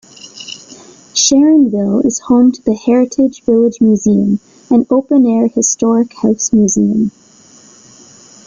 Sharonville is home to the Heritage Village Museum, an open-air historic house museum.